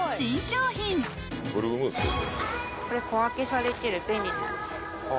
これ小分けされてる便利なやつ。